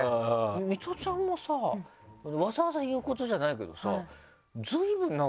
ミトちゃんもさわざわざ言うことじゃないけどさ。